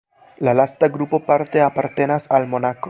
La lasta grupo parte apartenas al Monako.